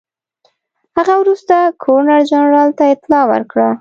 هغه وروسته ګورنرجنرال ته اطلاع ورکړه.